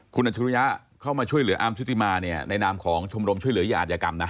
คุณอธิริยะเข้ามาช่วยเหลืออามชุติมาในนามของชมรมช่วยเหลือยาอาจกรรมนะ